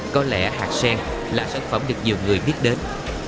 có lẽ hạt sen là sản phẩm được nhiều người biết đến